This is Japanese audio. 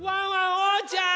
おうちゃん！